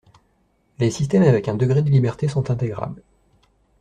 les système avec un degré de liberté sont intégrables